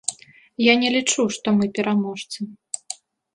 Я не лічу, што мы пераможцы.